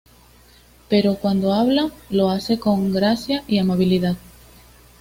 Pero cuando habla, lo hace con gracia y amabilidad".